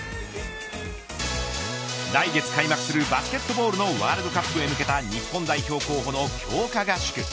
来月開幕するバスケットボールのワールドカップへ向けた日本代表候補の強化合宿。